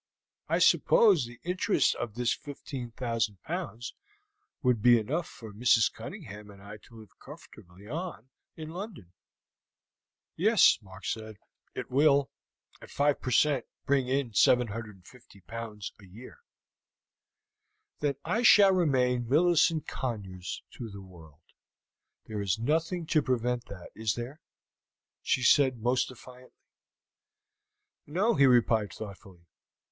I suppose the interest of this 15,000 pounds would be enough for Mrs. Cunningham and I to live comfortably on in London?" "Yes," Mark said; "it will, at 5 per cent, bring in 750 pounds a year." "Then I shall remain Millicent Conyers to the world. There is nothing to prevent that, is there?" she said almost defiantly. "No," he replied thoughtfully.